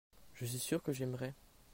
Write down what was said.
je suis sûr que j'aimerais.